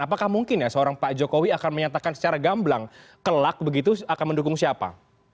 apakah mungkin ya seorang pak jokowi akan menyatakan secara gamblang kelak begitu akan mendukung siapa